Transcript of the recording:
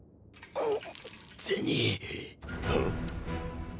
あっ！？